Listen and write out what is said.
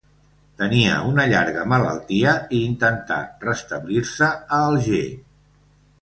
Tenia una llarga malaltia i intentà restablir-se a Alger.